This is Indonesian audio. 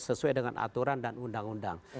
sesuai dengan aturan dan undang undang